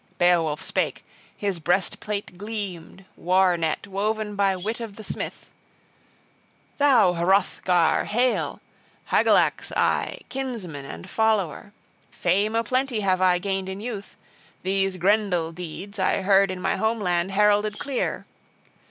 Beowulf spake, his breastplate gleamed, war net woven by wit of the smith: "Thou Hrothgar, hail! Hygelac's I, kinsman and follower. Fame a plenty have I gained in youth! These Grendel deeds I heard in my home land heralded clear.